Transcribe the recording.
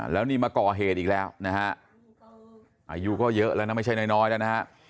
แล้วนี่มาก่อเหตุอีกแล้วนะฮะอายุก็เยอะแล้วนะไม่ใช่น้อยแล้วนะฮะ